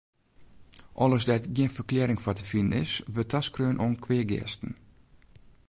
Alles dêr't gjin ferklearring foar te finen is, wurdt taskreaun oan kweageasten.